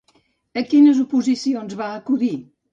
A quines oposicions va acudir?